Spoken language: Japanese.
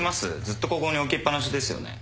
ずっとここに置きっぱなしですよね。